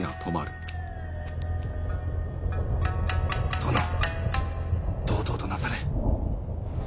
殿堂々となされ。